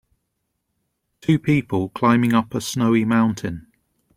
Two people climbing up a snowy mountain.